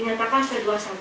kami kembalikan pada penyidik